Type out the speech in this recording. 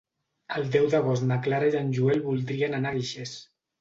El deu d'agost na Clara i en Joel voldrien anar a Guixers.